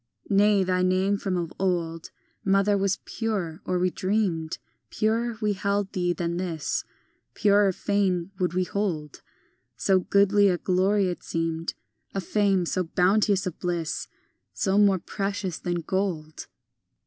II Nay, thy name from of old, Mother, was pure, or we dreamed Purer we held thee than this, Purer fain would we hold; So goodly a glory it seemed, A fame so bounteous of bliss, So more precious than gold.